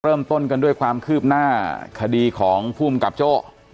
เริ่มต้นกันด้วยความคืบหน้าคดีของภูมิกับโจ้